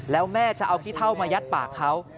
แล้วแม่จะเอาขี้เท่ามายัดปากเขา